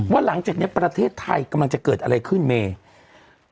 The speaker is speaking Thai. หลังจากนี้ประเทศไทยกำลังจะเกิดอะไรขึ้นเมย์